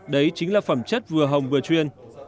đấy chính là phẩm chất vừa hồng vừa chuyên